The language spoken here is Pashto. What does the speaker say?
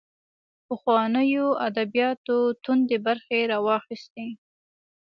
پخوانیو ادبیاتو توندۍ برخې راواخیستې